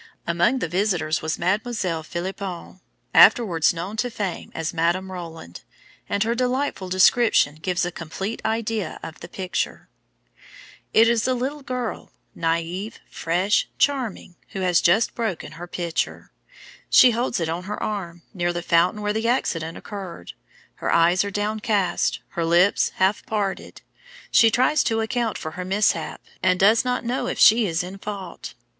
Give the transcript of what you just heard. Among the visitors was Mademoiselle Philipon, afterwards known to fame as Madame Roland, and her delightful description gives a complete idea of the picture: "It is a little girl, naïve, fresh, charming, who has just broken her pitcher; she holds it on her arm, near the fountain where the accident occurred. Her eyes are downcast, her lips half parted; she tries to account for her mishap, and does not know if she is in fault.